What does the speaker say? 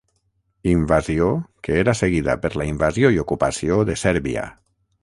Invasió que era seguida per la invasió i ocupació de Sèrbia.